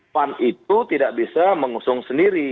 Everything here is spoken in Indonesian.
pan itu tidak bisa mengusung sendiri